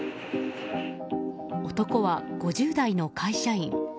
男は５０代の会社員。